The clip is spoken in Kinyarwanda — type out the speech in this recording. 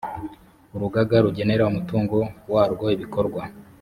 urugaga rugenera umutungo warwo ibikorwa